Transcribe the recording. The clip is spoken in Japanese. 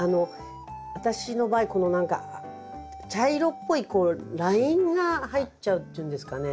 私の場合この何か茶色っぽいこうラインが入っちゃうっていうんですかね。